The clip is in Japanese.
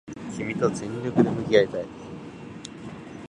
君と全力で向き合いたい